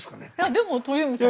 でも鳥海さん。